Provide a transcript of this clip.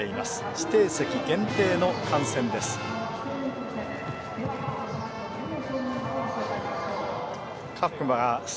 指定席限定の観戦です。